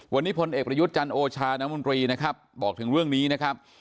วันนี้พลเอกพระยุทธ์จันทร์โอชานมบอกถึงเรื่องนี้นะครับ